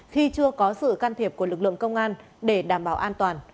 khi chưa có sự can thiệp của lực lượng công an để đảm bảo an toàn